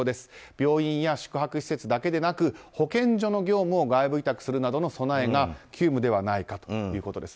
病院や宿泊施設だけでなく保健所の業務を外務委託するなどの備えが急務ではないかということです。